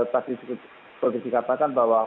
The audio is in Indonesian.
tadi sudah dikatakan bahwa